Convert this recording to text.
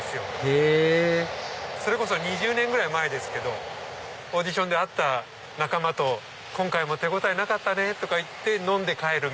へぇそれこそ２０年ぐらい前ですけどオーディションで会った仲間と「今回も手応えなかったね」とか言って飲んで帰るみたいな。